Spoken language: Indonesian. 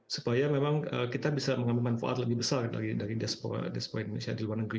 supaya memang kita bisa mengambil manfaat lebih besar dari desporate indonesia di luar negeri